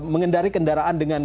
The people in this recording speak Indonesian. mengendari kendaraan dengan